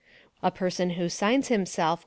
A person who signs himself Wm.